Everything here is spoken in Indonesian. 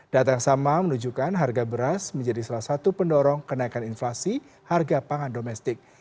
data yang sama menunjukkan harga beras menjadi salah satu pendorong kenaikan inflasi harga pangan domestik